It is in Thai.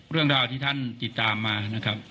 เรื่องราวที่ท่านติดตามมานะครับ